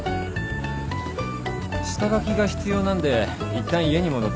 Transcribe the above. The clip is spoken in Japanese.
下書きが必要なんでいったん家に戻って書いてきます。